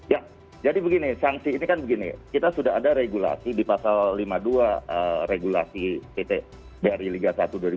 ya jadi begini sanksi ini kan begini kita sudah ada regulasi di pasal lima puluh dua regulasi pt bri liga satu dua ribu dua puluh